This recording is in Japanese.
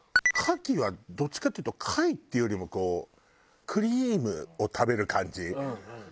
牡蠣はどっちかっていうと貝っていうよりもこうクリームを食べる感じそっち寄りらしいよ。